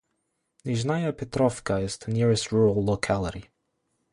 Nizhnyaya Petrovka is the nearest rural locality.